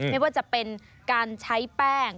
ไม่ว่าจะเป็นการใช้แป้ง